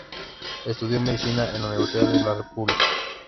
Estudió medicina en la Universidad de la República.